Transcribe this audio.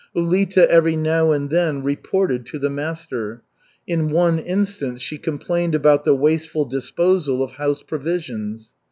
Ulita every now and then "reported" to the master. In one instance she complained about the wasteful disposal of house provisions.